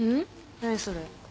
何それ。